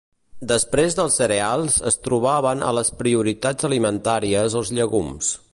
Després dels cereals es trobaven a les prioritats alimentàries els llegums.